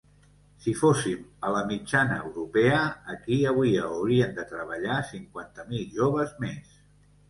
Si fóssim a la mitjana europea, aquí avui haurien de treballar cinquanta mil joves més.